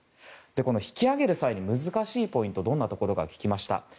この引き揚げる際に難しいポイントはどんなところが聞きました。